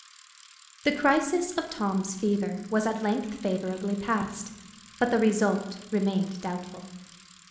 The crisis of Tom's fever was at length favorably passed, but the result remained doubtful.